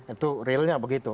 itu realnya begitu